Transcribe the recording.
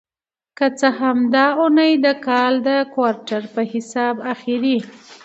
که څه هم دا اونۍ د کال د کوارټر په حساب اخېری